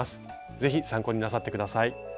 是非参考になさって下さい。